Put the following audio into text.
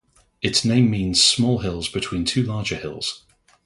Its name means "small hill between two larger hills".